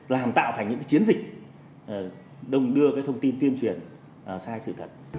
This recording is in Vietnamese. làm tạo thành những cái chiến dịch đông đưa cái thông tin tuyên truyền sai sự thật